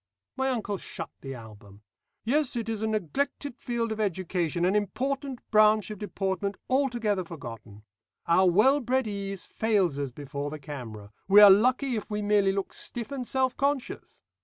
My uncle shut the album. "Yes, it is a neglected field of education, an important branch of deportment altogether forgotten. Our well bred ease fails us before the camera; we are lucky if we merely look stiff and self conscious.